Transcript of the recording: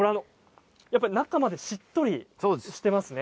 中までしっとりしていますね。